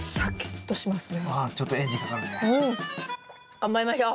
頑張りましょう。